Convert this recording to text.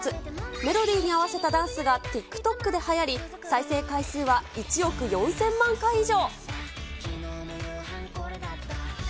メロディーに合わせたダンスがＴｉｋＴｏｋではやり、再生回数は１億４０００万回以上。